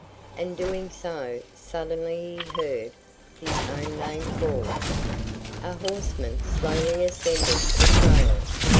And, doing so, suddenly he heard his own name called. A horseman slowly ascended the trail.